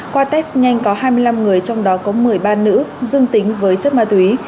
qua test nhanh có hai mươi năm người trong đó có một mươi ba nữ dương tính với chất ma túy